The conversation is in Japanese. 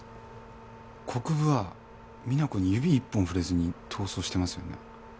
国府は実那子に指一本触れずに逃走してますよね。